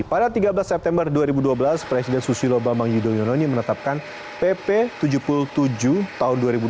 pada tiga belas september dua ribu dua belas presiden susilo bambang yudhoyono ini menetapkan pp tujuh puluh tujuh tahun dua ribu dua puluh